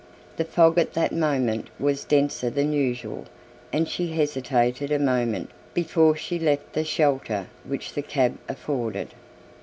The fog at that moment was denser than usual and she hesitated a moment before she left the shelter which the cab afforded.